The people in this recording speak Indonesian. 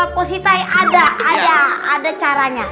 positif ada caranya